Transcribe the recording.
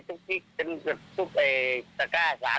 คูยเขาก็คูยธรรมดา